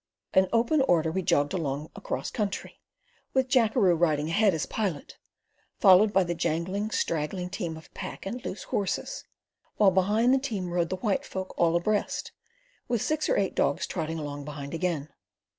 In open order we jogged along across country, with Jackeroo riding ahead as pilot, followed by the jangling, straggling team of pack and loose horses, while behind the team rode the white folk all abreast, with six or eight dogs trotting along behind again.